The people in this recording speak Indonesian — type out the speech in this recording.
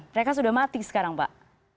mereka sudah mati sekarang pak